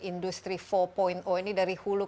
industri empat ini dari hulu